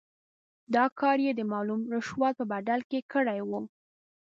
دا کار یې د معلوم رشوت په بدل کې کړی وو.